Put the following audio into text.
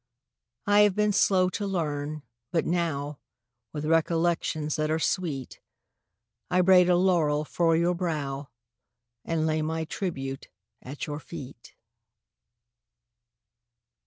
I have been slow to learn, but now, With recollections ■ that are sweet, I braid a laurel for your brow And lay my tribute at your eet.